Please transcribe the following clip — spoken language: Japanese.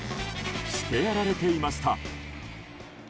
してやられていました。